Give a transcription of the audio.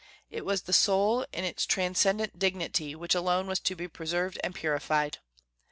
It was the soul, in its transcendent dignity, which alone was to be preserved and purified.